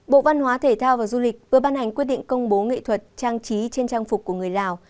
bộ văn hóa thể thao và du lịch vừa ban hành quyết định công bố nghệ thuật trang trí trên trang phục của người lào